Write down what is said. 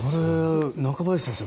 中林先生